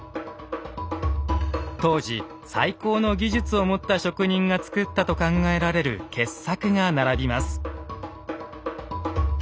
当時最高の技術を持った職人が作ったと考えられる傑作が並びます。